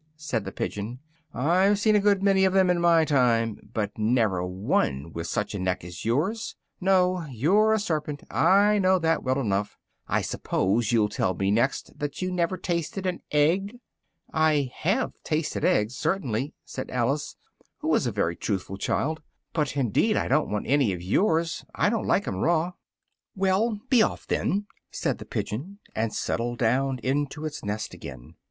said the pigeon, "I've seen a good many of them in my time, but never one with such a neck as yours! No, you're a serpent, I know that well enough! I suppose you'll tell me next that you never tasted an egg!" "I have tasted eggs, certainly," said Alice, who was a very truthful child, "but indeed I do'n't want any of yours. I do'n't like them raw." "Well, be off, then!" said the pigeon, and settled down into its nest again.